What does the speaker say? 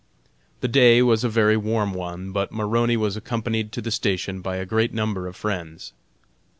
The day was a very warm one, but Maroney was accompanied to the station by a great number of friends.